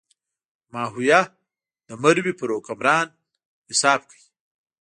ماهویه د مرو پر حکمران حساب کوي.